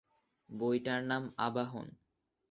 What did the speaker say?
বইটার নাম আবাহন।